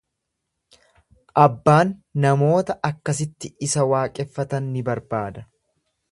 Abbaan namoota akkasitti isa waaqeffatan ni barbaada.